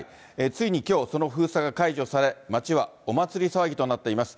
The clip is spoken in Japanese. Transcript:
ついにきょう、その封鎖が解除され、街はお祭り騒ぎとなっています。